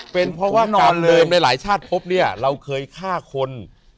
เป็นเพราะว่าการเดิมในหลายชาติพบเนี่ยเราเคยฆ่าคน